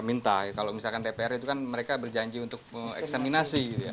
minta kalau misalkan dpr itu kan mereka berjanji untuk eksaminasi